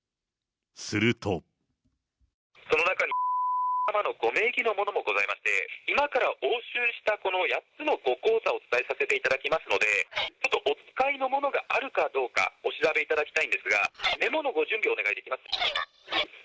その中に、×××様のご名義のものもございまして、今から押収したこの８つのご口座をお伝えさせていただきますので、ちょっとお使いのものがあるかどうか、お調べいただきたいんですが、メモのご準備お願いできますか。